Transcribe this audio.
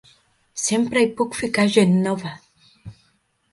Sempre hi puc ficar gent nova.